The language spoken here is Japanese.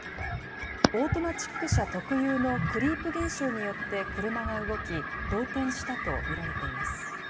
オートマチック車特有のクリープ現象によって車が動き、動転したと見られています。